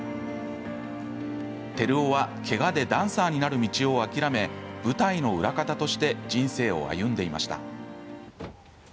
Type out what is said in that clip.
照生はけがでダンサーになる道を諦め舞台の裏方として人生を歩んでいました。